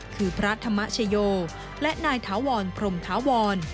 คือพระธรรมชโยและนายถาวรพรมถาวร